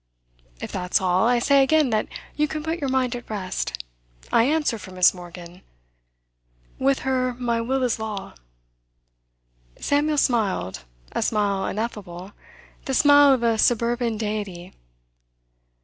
'If that's all, I say again that you can put your mind at rest. I answer for Miss. Morgan. With her my will is law.' Samuel smiled. A smile ineffable. The smile of a suburban deity.